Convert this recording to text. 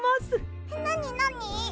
なになに？